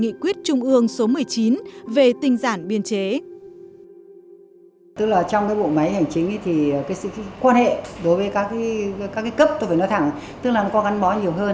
nghị quyết trung ương số một mươi chín về tinh giản biên chế